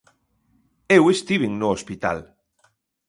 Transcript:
-Eu estiven no hospital.